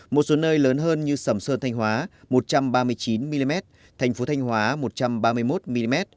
một số nơi lớn hơn như sầm sơn thanh hóa một trăm ba mươi chín mm thành phố thanh hóa một trăm ba mươi một mm